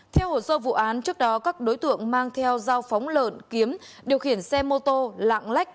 theo hồ sơ vụ án trước đó các đối tượng mang theo dao phóng lợn kiếm điều khiển xe mô tô lạng lách